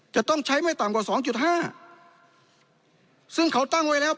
จะต้องใช้ไม่ต่ำกว่าสองจุดห้าซึ่งเขาตั้งไว้แล้ว